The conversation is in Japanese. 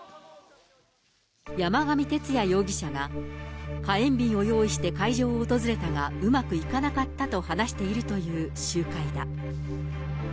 山上徹也容疑者が、火炎瓶を用意して会場を訪れたが、うまくいかなかったと話しているという集会だ。